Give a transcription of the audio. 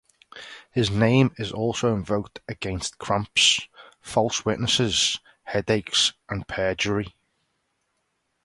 His name is also invoked against cramps, false witnesses, headaches and perjury.